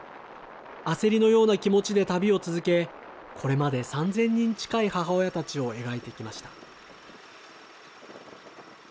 焦りのような気持ちで旅を続け、これまで３０００人近い母親たちを描いてきました。